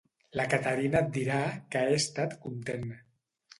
La Caterina et dirà que he estat content.